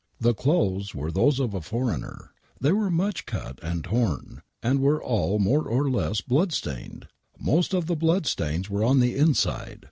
The clothes were those of a foreigner. They were much cut and torn, and were all more or less blood stained ! Most of the blood stains were in the inside.